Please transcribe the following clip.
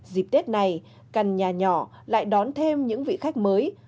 dịp tết này căn nhà nhỏ lại đón thêm những vị khách mới